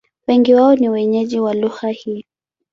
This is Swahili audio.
Wengi wao ni wenyeji wa lugha hii.